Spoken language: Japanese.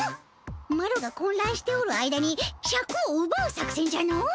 マロがこんらんしておる間にシャクをうばう作戦じゃの？